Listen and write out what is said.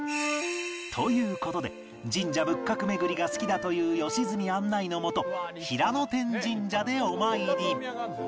という事で神社仏閣巡りが好きだという良純案内のもと平野天神社でお参り